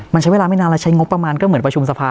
มันใช้เวลาไม่นานแล้วใช้งบประมาณก็เหมือนประชุมสภา